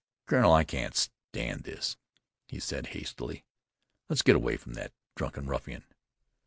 "Colonel, I can't stand this," he said hastily. "Let's get away from that drunken ruffian."